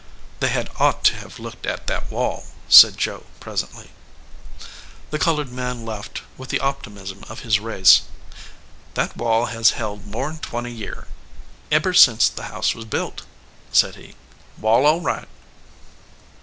"They had ought to have looked at that wall," said Joe, presently. The colored man laughed with the optimism of his race. "That wall has held more n twenty year eber since the house was built," said he. "Wall all right."